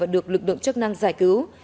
lực lượng chức năng giải cứu